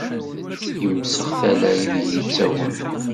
Yemsex tala ideg yettagem!